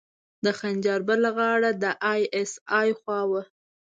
د خنجر بله غاړه د ای اس ای خوا وه.